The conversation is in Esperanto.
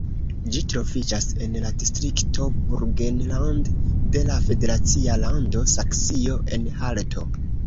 Ĝi troviĝas en la distrikto Burgenland de la federacia lando Saksio-Anhalto.